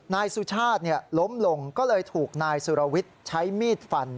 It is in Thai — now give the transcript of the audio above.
นายสุชาติล้มลงก็เลยถูกนายสุรวิทย์ใช้มีดฟัน